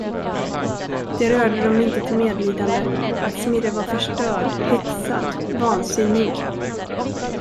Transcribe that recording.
Det rörde dem inte till medlidande, att Smirre var förstörd, hetsad, vansinnig.